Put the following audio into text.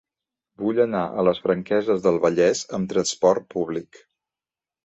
Vull anar a les Franqueses del Vallès amb trasport públic.